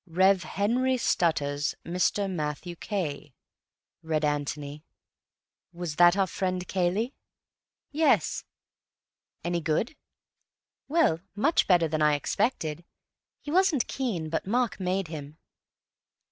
"Rev. Henry Stutters—Mr. Matthew Cay," read Antony. "Was that our friend Cayley?" "Yes." "Any good?" "Well, much better than I expected. He wasn't keen, but Mark made him."